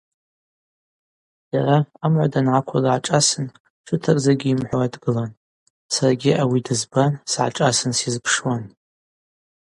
Йара амгӏва дангӏаквыл дгӏашӏасын тшытракӏ закӏгьи йымхӏвауа дгылан, саргьи ауи дызбан сгӏашӏасын сйызпшуан.